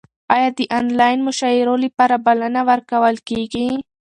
ایا د انلاین مشاعرو لپاره بلنه ورکول کیږي؟